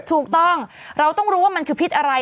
ถูกต้องเราต้องรู้ว่ามันคือพิษอะไร